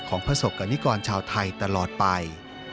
ประสบกรณิกรชาวไทยตลอดไป